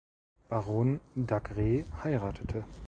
Baron Dacre heiratete.